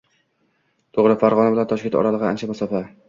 To`g`ri, Farg`ona bilan Toshkent oralig`i ancha masofa